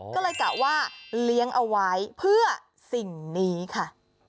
ก็เลยกะว่าเลี้ยงเอาไว้เพื่อสิ่งนี้ค่ะ